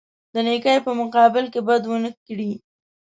د نیکۍ په مقابل کې بد ونه کړي.